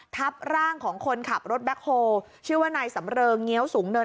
ทับร่างของคนขับรถแบ็คโฮลชื่อว่านายสำเริงเงี้ยวสูงเนิน